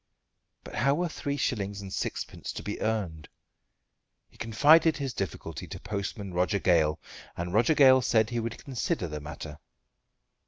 But how were three shillings and sixpence to be earned? He confided his difficulty to postman Roger Gale, and Roger Gale said he would consider the matter.